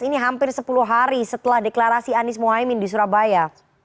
ini hampir sepuluh hari setelah deklarasi anies mohaimin di surabaya